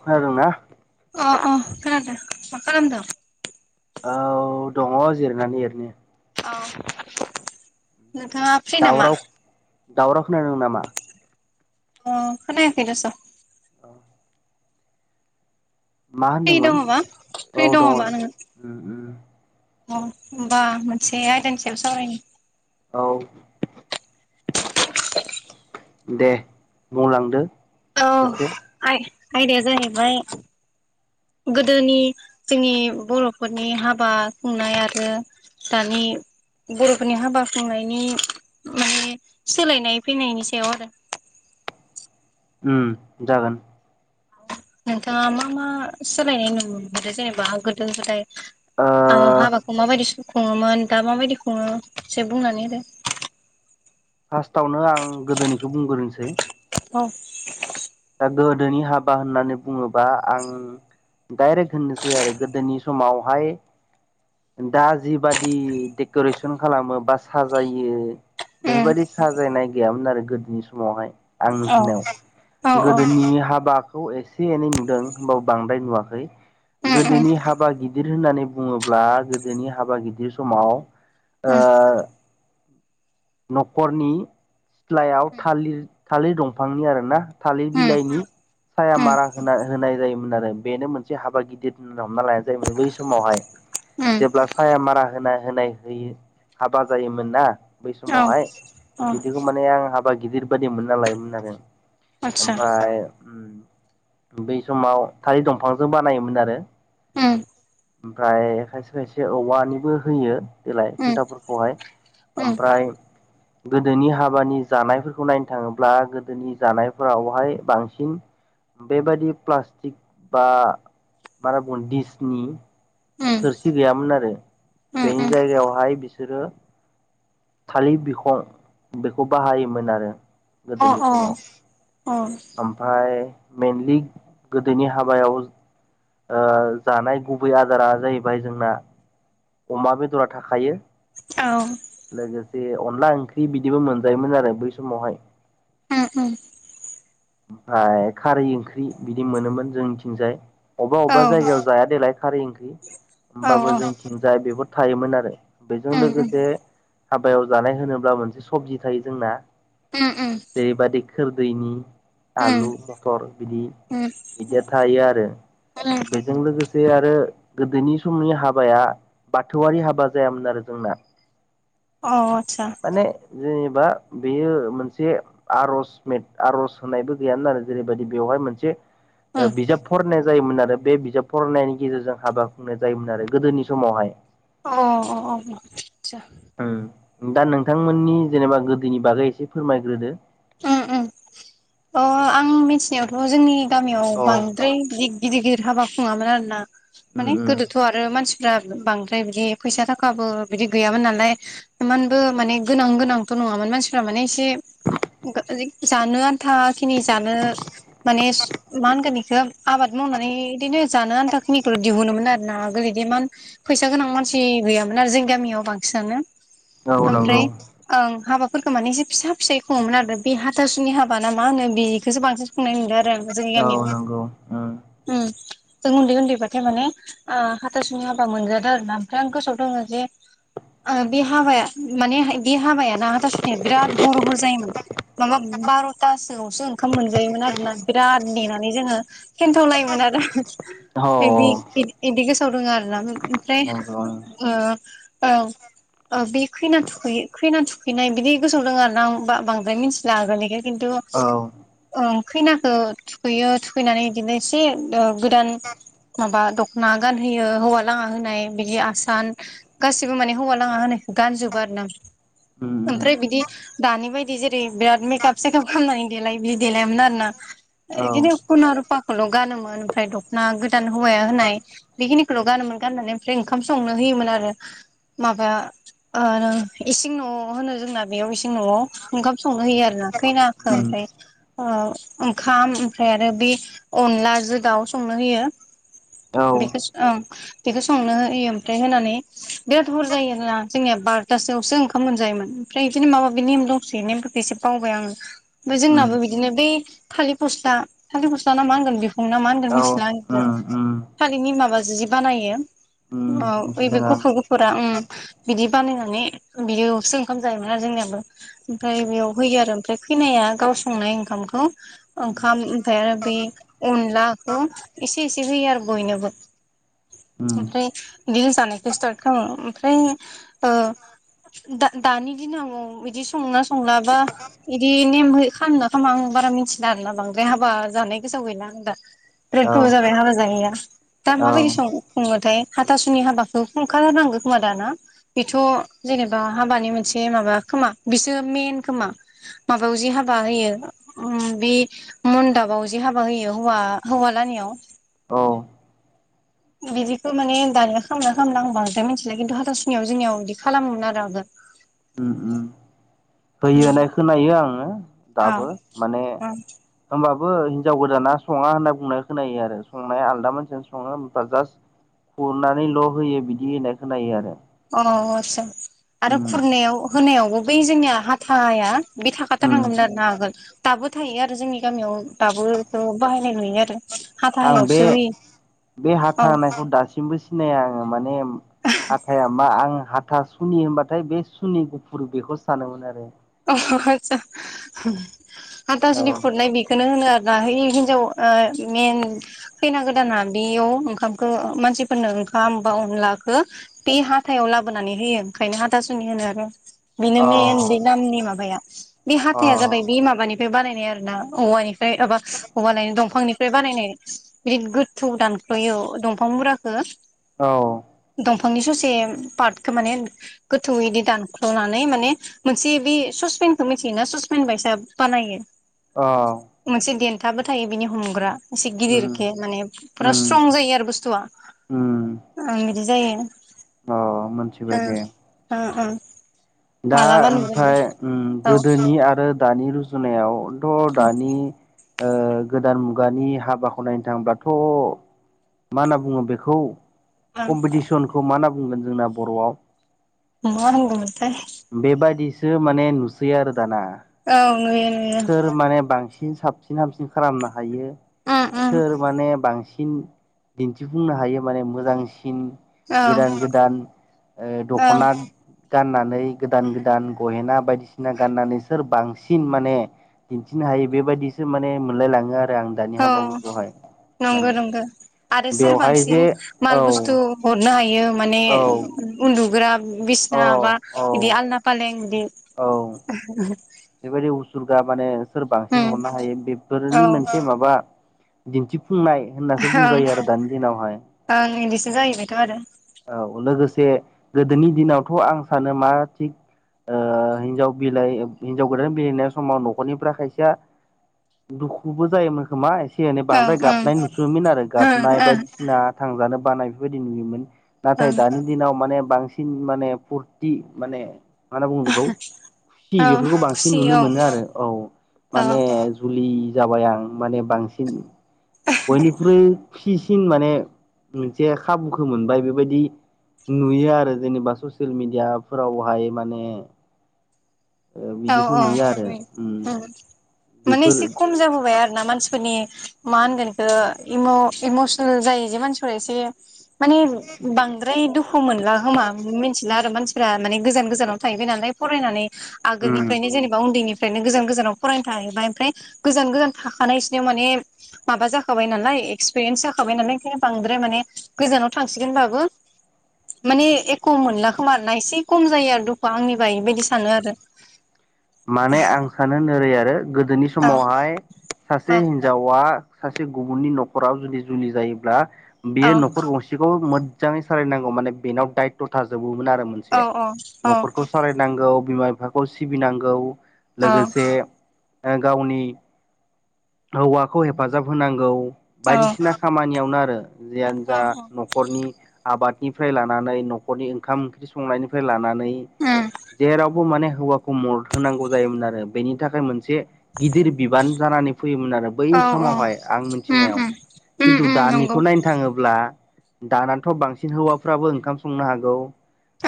खोनादोंना अ अ खोनादों मा खालामदों। औ दङ जिरनानै एरैनो। औ नोंथाङा फ्रि नामा। दावराव दावराव खोनादों नामा। अ खोनायाखै दस'। औ मा फ्रि होनदोंमोन दङबा औ फ्रि दं दङबा नोङो उम उम। अ होनोमबा मोनसे आयदानि सायाव सावरायनो। औ। दे बुंलांदो। औ एसे आय आयदाया जाहैबाय। गोदोनि जोंनि बर'फोरनि हाबा खुंनाय आरो। दानि बर'फोरनि हाबा खुंनायनि माने सोलायनाय फैनायनि सायाव आरो। [inaudible] उम जागोन नोंथाङा मा मा सोलायनाय नुनो मोनदों जेनेबा गोदो गोदाय। ओ हाबाखौ माबायदि स खुङोमोन दा माबायदि खुङो एसे बुंनानै होदो फार्स्टआवनो आं गोदोनिखौ बुंग्रोनोसै औ। दा गोदोनि हाबा होननानै बुङोबा आं डाइरेक्ट होननोसै आरो गोदोनि समावहाय दा जिबादि देक'रेसन खालामो बा साजायो बेफोरबायदि साजायनाय गैयामोन आरो गोदोनि समावहाय आं औ मिथिनायाव औ गोदोनि हाबा खौ एसे एनै नुदों होनबाबो बांद्राय नुवाखै गोदोनि हाबा गिदिर होननानै बुङोब्ला गोदोनि हाबा गिदिर समाव ओ। न'खरनि सिथ्लायाव थालिर - थालिर दंफांनि आरोना थालिर बिलाइनि साया मारा होना होनाय जायोमोन आरो बेनो मोनसे हाबा गिदिर होनना हमना लानाय जायोमोन बै समावहाय जेब्ला साया मारा होनाय-होनाय होयो हाबा जायोमोनना बै औ समावहाय औ बिदिखौ माने आं हाबा गिदिर बादि मोनना लायोमोन आरो आतसा ओमफ्राय बै समाव थालिर दंफांजों बानायोमोन आरो अ ओमफ्राय खायसे खायसे औवानिबो होयो देलाय अ खुन्थाफोरखौहाय अ ओमफ्राय गोदोनि हाबानि जानायफोरखौ नायनो थाङोब्ला गोदोनि जानाय फोरावहाय बांसिन बेबायदि प्लास्टिक बा बारा बन दिसनि थोरसि गैयामोन आरो बेनि जायगायावहाय बिसोरो थालिर बिखं बेखौ बाहायोमोन आरो औ गोदोनि औ समाव औ अ आतसा ओमफ्राय मेनलि गोदोनि हाबायाव जानाय गुबै आदारा जाहैबाय जोंना अमा बेदरा थाखायो औ लोगोसे अनला ओंख्रि बिदिबो मोनजायोमोन आरो बै समावहाय उम उम ओमफ्राय खारै ओंख्रि बिदि मोनोमोन जोंनिथिंजाय अबेबा अबेबा जायगायाव जाया देलाय खारै ओंख्रि होमबाबो अ जोंनिथिजाय बेफोर थायोमोन आरो बेजों लोगोसे हाबायाव जानाय होनोब्ला मोनसे सबजि थायो जोंना जेरैबायदि खोरदैनि आलु मथर बिदि बिदिया थायो आरो बेजों लोगोसे आरो गोदोनि समनि हाबाया बाथौआरि हाबा जायामोन आरो जोंना अ आतसा माने जेनेबा बेयो मोनसे आर'ज मेट आर'ज होननायबो गैयान आरो जेरैबायदि बेवहाय मोनसे बिजाब फरायनाय जायोमोन आरो बे बिजाब फरायनायनि गेजेरजों हाबा खुंनाय जायोमोन आरो गोदोनि समाव हाय अ-अ-अ आतसा दा नोंथांमोननि जेनेबा गोदोनि बागै एसे फोरमायग्रोदो उम उम अ आं मिथिनायावथ' जोंनि गामियाव उम बांद्राय बिदि गिदिर गिदिर हाबा खुङामोन आरोना माने उम गोदोथ' आरो मानसि फ्रा बांद्राय बिदि फैसा थाखाबो बिदि गैयामोन नालाय इमानबो माने गोनां गोनांथ' नङामोन मानसिफ्रा माने एसे जानो आन्थाखिनि जानो माने मा होनगोन इखौ आबाद मावनानै बिदिनो जानो आन्था खिनिखौल दिहुनो मोनमोन आरोना गोदो इमान फैसा गोनां मानसि गैयामोन आरो जोंनि गामियाव बांसिनानो औ नंगौ ओमफ्राय ओं हाबाफोरखौ माने एसे फिसा फिसायै खु ङोमोन आरो बे हाथासुनि हाबा ना मा होनो बेखौस बांसिन खुंनाय नुदों आरो आं जोंनि औ गामियाव नंगौ उम उम जों उन्दै उन्दैबथाय माने ओ हाथासुनि हाबा मोनजादों आरोना ओमफ्राय आं गोसोआव दङ जे। ओ बे हाबाया माने बे हाबायाना हाथासुनि बिराद हर हर जायोमोन माबा बार'थासोआवसो ओंखाम मोन नजायोमोन आरोना बिराद नेनानै जोङो थेन्थाव लायोमोन आरो औ औ इदि इदिखौ गोसोआव दोङ आरोना ओमफ्राय नंगौ ओ औ औ बे खैना थुखै खैना थुखैनाय बिदि गोसोआव दङ आरो ना बांद्राय द्राय मिथिला आगोलनिखो खिन्तु औ उम ओ खैनाखौ थुखैयो थुखैनानै बिदिनो एसे गोदान माबा दखना गानहोयो हौवा लाङा होनाय बिदि आसान गासिबो माने हौवा लाङा होनाय गान जोबबो आरो ना उम ओमफ्राय बिदि दानि बाय बिदि जेरै बिराद मेकप सेकाप खालामनानै देलाय बिदि देलायामोन आरोना। औ बिदिनो उम खुन रुफाखौल' गानोमोन ओमफ्राय दख'ना गोदान हौवाया होनाय बेखिनिखौल' गानोमोन। गाननानै ओमफ्राय ओंखाम संनो होयोमोन आरो माबा ओ इसिं न'आव होनो जोंना बेयाव इसिं न'आव ओंखाम संनो होयो आरोना खैनाखौ ओमफ्राय ओ ओंखाम ओमफ्राय आरो बे अ नलाजों दाउ संनो होयो। औ बेखौ औ बेखौ संनो होयो ओमफ्राय होनानै बिराद हर जायो आरोना जोंनिया बार'थासोआवसो ओंखामजायोमोन ओमफ्राय बिदिनो माबा माबि नेम दं से नेमफोरखौ एसे बावबाय आंङो ओमफ्राय जोंनाबो उम बिदिनो बे थालिर फस्ला थालिर फस्ला ना मा होनगोन बे दं नामा होनगोन औ मिथिला आंसो उम उम थालिरनि माबाजो जि बानायो उम औ बे मिथिदों आं गुफुर गुफुरा ओम बिदि बानायनानै बिदिआवसो ओंखाम जायोमोन आरो जोंनियाबो। ओमफ्राय उम बेयाव होयो आरो ओमफ्राय खैनाया गाव संनाय ओंखामखौ उम ओंखाम ओमफ्राय आरो बे अनलाखौ एसे एसे होयो आरो बयनोबो। उम ओमफ्राय बियो जानायखौ स्टार्ट खालामो ओमफ्राय ओ दा दानि दिनाव बिदि संना संलाबा बिदि नेम खालामनो खामा आं बारा मिथिला आरोना बांद्राय हाबा जानाय गो सोआव गैला आं दा बिराद औ गोडावण जाबाय हाबा जानायैया दा माबायदि औ सं ङोथाय हाथासुनि हाबाखौ खुंखालानो खोमा दाना बेथ' जेनेबा हाबानि मोनसे माबा खोमा। बिसोर मेन खोमा माबायाव जि हाबा होयो बे मनदाबाव जे हाबा होयो हौवा-हौवालानियाव औ बिदिखौ माने दानिया खामोना खामना आं बांद्राय मिथिला खिन्थु हाथासुनियाव जोंनियाव बिदि खालामोमोन आरो आगोल। अम अम उम होयो होनाय खोनायो आंङो। औ दाबो माने औ होमबाबो हिनजाव गोदाना संङा होनना बुंनाय खोनायो आरो संनाया आलदा मानसियानो संङो ओमफाय जासट उननानै ल' होयो बिदि होननाय खोनो आरो। अ आस्सा आरो उम खुरनायाव होनायावबो बै जोंनिया हाथाया बे उम थाखाथारनांगौमोन आरो ना आगोल दाबो थायो आरो जोंनि गामियाव दाबोथ' बाहायनाय नुयो आ आं बे बे औ हाथा होनायखौ दासिमबो सिनाया आंङो माने हाथाया मा आं हाथा सुनि होनबाथाय बे सुनि गुफुर बेखौ सानोमोन आरो। अ आहात्सा औ हाथासुनि खुरनाय बेखौनो होनो आ जाहोयो हिनजाव ओ मेन खैना गोदाना बेयाव ओंखामखो मानसिफोरनो ओंखामबा अनलाखौ बे हाथायाव लाबोनानै होयो ओंखायनो हाथासुनि होनो आरो। बेनो मेन औ बे नामनि माबाया बे हाथाया जाबाय अ बे माबानिफ्राय बानायनाय आरो ना औवानि माबा बे औवालायनो दंफांनिफ्राय बानायनाय बिराद गोथौ दानख'यो दंफां मुरा औ दंफांनि ससे पार्टखौ माने गोथौै इदि दानख्ल'नानै माने मोनसे बे ससपेनखौ मिथियोना ससपेन बायसा बानायो। अ देनथाबो थायो बिनि हमग्रा एसे उम गिदिरखे माने फुरा उम स्ट्रं जायो आरो बुस्थुआ उम ओम बिदि जायो अ मोनथिबाय दे। ओं ओं दा मालाबा नुगोन दे ओमफ्राय अम औ गोदोनि आरो दानि रुजुनायाव थ' दानि ओ गोदान मुगानि हाबाखौ नायनो थांबाथ' मा होनना बुंङो बेखौ ओं कम्पिटिसनखौ मा होनना बुंगोन जोंना बर'आव [unintelligible] बेबादिसो माने नुसैयो आरो दाना। औ नुयो नुयो सोर माने बांसिन साबसिन हामसिन खालामनो हायो उम उम सोर माने बांसिन सिन दिन्थिफुंनो हायो माने मोजांसि सिन औ गोदान-गोदान ओं दखना गाननानै गोदान-गोदान गहेना बायदिसिना गाननानै सोर बांसिन माने दिन्थिनो हायो बेबायदिसो माने मोनलायलाङो आरो आं दानि हाबाफोरखौहाय। माने नंगौ-नंगौ आरो सोर बेवहाय बांसिन जे माल औ बुस्थु हरनो हायो माने औ उन्दुग्रा अ बिसना बा औ बिदि आलना-फालें बिदि औ बेबायदि उसुर्गा माने सोर बांसिन उम हरनो हायो औ बेफोरनि मोनसे माबा दिन्थि फुंनाय होननासो ओं बुंजायो आरो दानि दिनावहाय। ओं बिदिसो जाहैबायथ' आरो औ लोगो से गोदोनि दिनावथ' आं सानो मा थिग हिनजाव बिलाइ हिनजाव गोदान बिलाइनाय समाव न'खरनिफोरा खायसेया दुखुबो जायोमोन खोमा एसे एनै ओं बांद्राय ओं गाबनाय नुसयोमोन आरो ओं गाबनाय ओं बायदिसिना थांजानो बानाय बेफोरबायदि नुयोमोन। नाथाय ओं दानि दिनाव माने बांसिन माने फुरथि माने मा होनना बुङो बेखौ खुसि औ बे बेफोरखौ बांसिन खुसि नुनो औ मोनो आरो औ औ माने जुलि जाबाय आं माने बांसिन बयनिख्रुइ खु सिसिन माने मोनसे खाबुखौ मोनबाय बेबायदि नुयो आरो जेनेबा ससियेल मिडियाफोरावहाय माने बिदिखौ नुयो आरो उम औ-औ माने बेफोर एसे खम जाबोबाय आरो ना मानसिफोरनि मा होनगोन बेखौ इम इमसनेल जायो जे मानसिफोरा एसे माने बांद्राय दुखु मोनला होमा मिथिला आरो मानसि फ्रा माने गोजान गोजानाव थाहैबाय नालाय फरायनानै उम आगोलनिफ्रायनो जेनेबा उन्दैनि फ्रायनो गोजान गोजानाव फरायनो थाहैबाय ओमफ्राय गोजान गोजान थाखानाय बिसोरनियाव माने माबा जाखाबाय नालाय एक्सपिरियेन्स जाखाबाय नालायायनो बांद्राय माने गोजानाव थांसिगोन बाबो माने एख' मोनला खोमाना एसे खम जायो आरो दुखुआ आंनिबा इबायदि सानो आरो। माने आं सानो नोरै आरो गोदोनि औ समावहाय सासे हिनजावा सासे गुबुननि न'खराव जुदि जुलि जायोब्ला औ बेयो न'खर गंसेखौ मो जाङै सालायनांगौ माने बेनाव दायथ' थाजोबोमोन आरो औ मोनसे औ न'खरखौ सालायनांगौ बिमा-बिफाखौ सिबिनांगौ औ लोगोसे गावनि हौवाखौ हेफाजाब होनांगौ। औ बायदिसिना खामानियावनो आरो जियानो औ जा न'खरनि आबाद निफ्राय लानानै न'खरनि ओंखाम-ओंख्रि संनायनिफ्राय लानानै जेरावबो माने हौवा खौ मद होनांगौ जायोमोन आरो बेनि थाखाय मोनसे गिदिर बिबान जानानै फैयोमोन आरो बै औ औ समावहाय आं उम मिथिनायाव उम उम खिन्थु उम नंगौ दानिखौ नायनो थाङोब्ला दानानथ' बांसिन हौवाफ्राबो ओंखाम संनो हागौ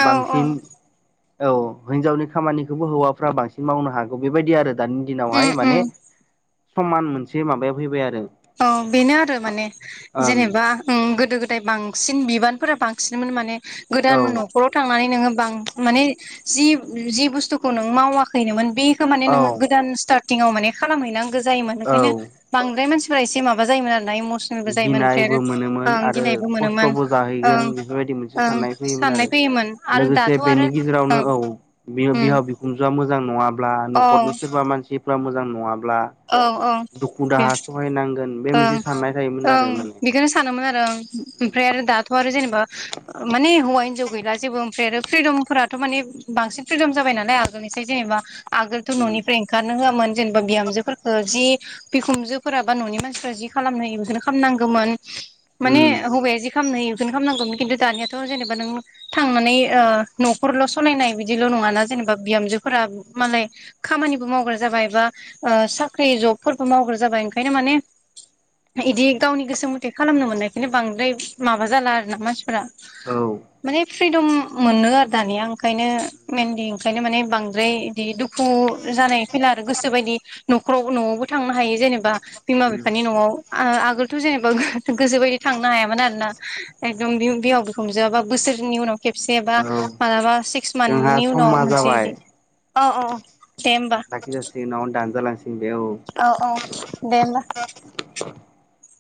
औ औ बांसिन औ हिनजावनि खामानिखौबो हौवाफ्रा बांसिन मावनो हागौ बेबायदि आरो। दानि उम दिनावहाय उम माने समान मोनसे माबायाव फैबाय आरो। औ बेनो आरो माने ओं जेनेबा ओ गोदो-गोदाय बांसिन बिबान फोरा बांसिनमोन माने औ गोदान नख'राव थांनानै नोङो बां माने जि जि बुस्थुखौ नों मावाखैनोमोन बेखौ माने औ नोङो गोदान स्टार्ट फुटिंआव माने खालामहैनांगौ जायोमोन ओंखायनो औ बांद्राराय मानसिफोरा एसे माबा जायोमोन आरो। आरोना इमसनेलबो जायोमोन ओमफ्राय गिनायबो मोनोमोन ओं आरो गिनायबो मोनोमोन खस्थ'बो ओं जाहैगोन बेफोरबायदि मोनसे ओं साननाय फैयोमोन। आरो फैयोमोन आरो लोगोसे दाथ' आरो बेनि गेजेरावनो ओं औ बिहाव बिखुनजोआ। मोजां नङाब्ला ओम न'खरनि सोरबा मानसिफ्रा मोजां नङाब्ला। ब्रा औ औ दुखु बे दाहा सहायनांगोन बे ओं मोनसे साननाय। थायोमोन आरो ओं माने बेखौनो सानोमोन आरो आं ओमफ्राय आरो दाथ' आरो जेनेबा। माने हौवा हिनजाव गैला जेबो ओमफ्राय आरो फ्रिदमफोराथ' माने बांसिन फ्रिदम जाबाय नालाय आगोलनिसाय जेनेबा। आगोलथ' उम न'निफ्राय ओंखारनो होआमोन जेनेबा बिहामजोफोरखौ जि बिखुमजोफोरा बा न'नि मानसिफोरा। जि खालामनो होयो बेखौनो खालामनांगौमोन माने उम हौवाया जि खालामनो होयो [unintelligible] खालामनांगौमोन खिन्थु दानियाथ' जेनेबा नों थांनानै ओ न'खरल' सालायनाय बिदिल' नङाना जेनेबा । बा बिहामजोफोरा मालाय खामानिबो मावग्रा जाबाय बा ओ साख्रि जबफोरबो मावग्रा जा जाबाय ओंखायनो माने इदि गावनि गोसो मथे खालामनो मोननायखायन्नो बांद्राय माबा जाला आरो ना मानसिफोरा औ । माने फ्रिदम मोनो आरो दानिया ओंखायनो मेनलि ओंखायनो माने बांद्राय बिदि दुखु जानाय फैला आरो गोसोबायदि न'खरावबो न'आवबो थांनो हायो जेनेबा । बिमा उम बिफानि न'आव आ-आगोलथ' जेनेबा गोसोबायदि थांनो हायामोन आरोना एकदम बिहाव बिखुनजोआ बा बोसोरनि उनाव खेबसे बा औ मालाबा सिक्स जोंहा मान्थनि उनाव समा मोनसे बिदि औ औ औ । लासै लासै उनाव दानजा लांसै । औ औ दे होमबा ।